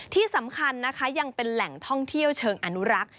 ที่สำคัญนะคะยังเป็นแหล่งท่องเที่ยวเชิงอนุรักษ์